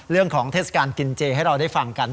เรื่องของเทศกาลกินเจให้เราได้ฟังกัน